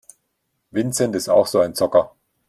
Vincent ist auch so ein Zocker.